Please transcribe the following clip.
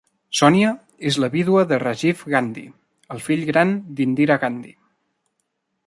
Sonia és la vídua de Rajiv Gandhi, el fill gran d'Indira Gandhi.